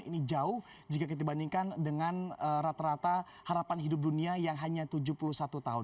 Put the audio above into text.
ini jauh jika kita bandingkan dengan rata rata harapan hidup dunia yang hanya tujuh puluh satu tahun